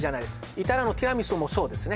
イタリアのティラミスもそうですね